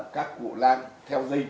các cụ lan theo gia truyền